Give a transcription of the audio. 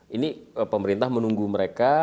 dan pemerintah menunggu mereka